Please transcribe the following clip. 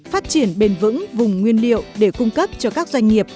phát triển bền vững vùng nguyên liệu để cung cấp cho các doanh nghiệp